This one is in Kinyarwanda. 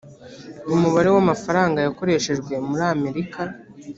umubare w amafaranga yakoreshejwe muri amerika